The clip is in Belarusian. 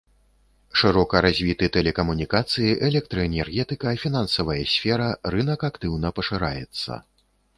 Шырока развіты тэлекамунікацыі, электраэнергетыка, фінансавая сфера, рынак актыўна пашыраецца.